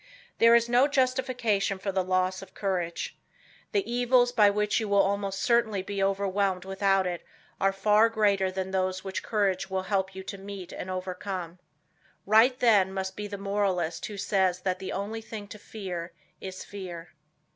There is no justification for the loss of courage. The evils by which you will almost certainly be overwhelmed without it are far greater than those which courage will help you to meet and overcome. Right, then, must be the moralist who says that the only thing to fear is fear.